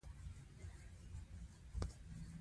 مچان د برقي څراغ شاوخوا ګرځي